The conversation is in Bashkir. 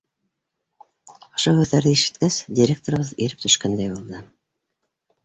— Ошо һүҙҙәрҙе ишеткәс, директорыбыҙ иреп төшкәндәй булды.